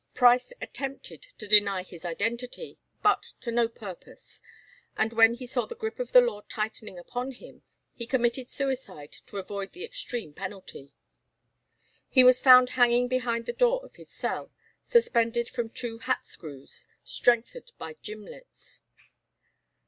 Price attempted to deny his identity, but to no purpose, and when he saw the grip of the law tightening upon him, he committed suicide to avoid the extreme penalty. He was found hanging behind the door of his cell, suspended from two hat screws, strengthened by gimlets.